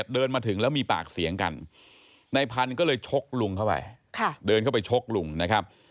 เดินเข้าไปชกลุงนะครับ